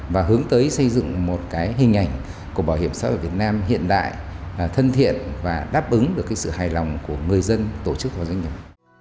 và hướng tới xây dựng một cái hình ảnh của bảo hiểm xã hội việt nam hiện đại thân thiện và đáp ứng được cái sự hài lòng của người dân tổ chức và doanh nghiệp